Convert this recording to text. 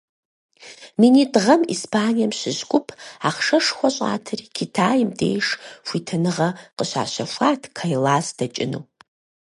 Минитӏ гъэм Испанием щыщ гуп ахъшэшхуэ щӀатри Китайм деж хуитыныгъэ къыщащэхуат Кайлас дэкӀыну.